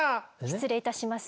失礼いたします。